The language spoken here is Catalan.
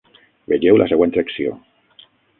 Vegeu la següent secció.